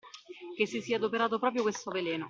Che si sia adoperato proprio questo veleno .